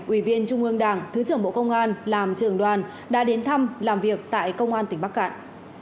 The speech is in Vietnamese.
ủy viên trung ương đảng thứ trưởng bộ công an làm trưởng đoàn đã đến thăm làm việc tại công an tỉnh bắc cạn